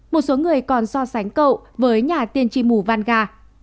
một số người còn so sánh cậu với nhà tiền trì muvanga